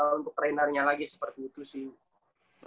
untuk trainernya lagi seperti itu sih